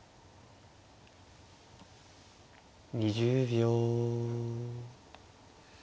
２０秒。